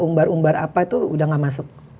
umbar umbar apa itu udah gak masuk